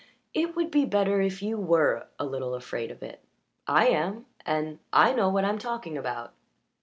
"It would be better if you were a little afraid of it. I am and I know what I'm talking about.